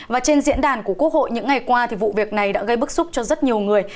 và trên diễn đàn của quốc hội những ngày qua thì vụ việc này đã gây bức xúc cho rất nhiều người